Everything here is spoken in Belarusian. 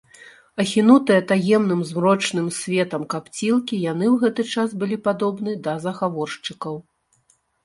Ахінутыя таемным, змрочным светам капцілкі, яны ў гэты час былі падобны да загаворшчыкаў.